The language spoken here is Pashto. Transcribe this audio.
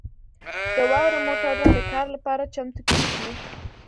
د واورې موټرونه د کار لپاره چمتو کیږي